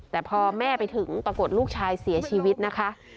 แต่พอแม่ไปถึงปรากฏลูกชายเสียชีวิตนะคะ